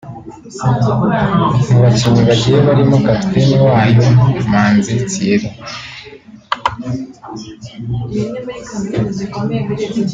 Mu bakinnyi bagiye barimo kapiteni wayo Manzi Thierry